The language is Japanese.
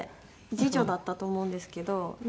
次女だったと思うんですけど。